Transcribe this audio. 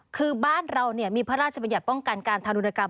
คือบ้านเรามีพระราชบัญญัติป้องกันการทารุณกรรม